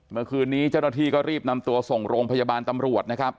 เมื่อคืนนี้เจ้าหน้าที่ก็รีบนำตัวส่งโรงพยาบาลตำรวจนะครับ